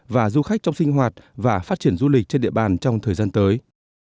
và du khách trong sinh hoạt và phát triển du lịch trên địa bàn trong thời gian tới